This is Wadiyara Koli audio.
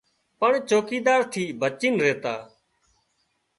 پڻ چوڪيدار ٿي بچي زاتا